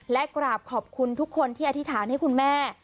และกราบขอบคุณทุกคนที่อธิษฐานให้คุณแม่